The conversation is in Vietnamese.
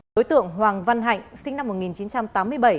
đối tượng hoàng văn hạnh sinh năm một nghìn chín trăm tám mươi bảy